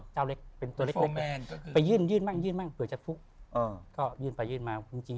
จอปตรงนั้นบ้างจอปตรงนั้นบ้าง